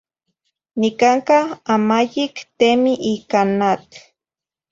Nicanca amayic temi ica n atl